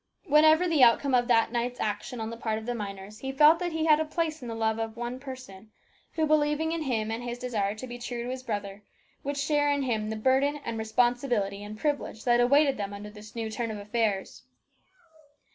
Whatever the outcome of that night's action on the part of the miners, he felt that he had a place in the love of one person, who, believing in him and his desire to be true to his brother, would share with him the burden and responsibility and privilege that awaited them under this new turn of affairs.